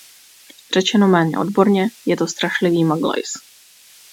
Řečeno méně odborně: Je to strašlivý maglajz.